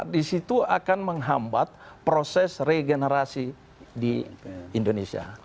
disitu akan menghambat proses regenerasi di indonesia